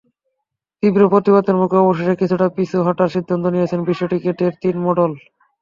তীব্র প্রতিবাদের মুখে অবশেষে কিছুটা পিছু হটার সিদ্ধান্ত নিয়েছে বিশ্ব ক্রিকেটের তিন মোড়ল।